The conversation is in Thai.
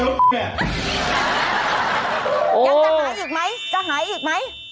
อยากจะหายอีกไหม